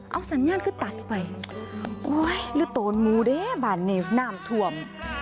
เอาสัญญาณขึ้นตัดไปโอ้ยหรือโตนมูด้ะบ่าเนี่ยน้ำถวม